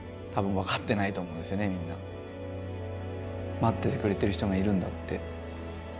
待っててくれてる人がいるんだって。